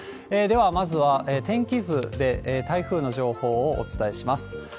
では、まずは天気図で台風の情報をお伝えします。